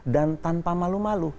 dan tanpa malu malu